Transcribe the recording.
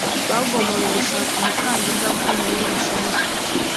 bagombaga gushaka umukandida ukomeye bishoboka